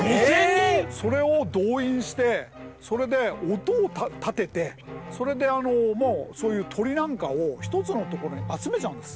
それを動員してそれで音を立ててそういう鳥なんかを一つのところに集めちゃうんです。